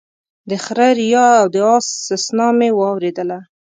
د خره ريا او د اس سسنا مې واورېدله